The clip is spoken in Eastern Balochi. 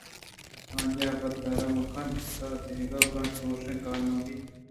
آئی ءَ حبردار ءُمہ کن کُتگ اَت کہ دگہ براں چوشیں کار مہ بیت